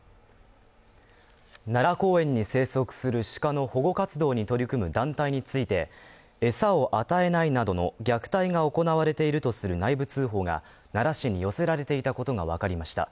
奈良公園に生息するシカの保護活動に取り組む団体について、餌を与えないなどの虐待が行われているとする内部通報が奈良市に寄せられていたことがわかりました。